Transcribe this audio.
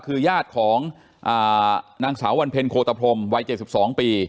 คือญาติของอ่านางสาววรรณเพ็ญโคตรพรมวัยเจ็ดสิบสองปี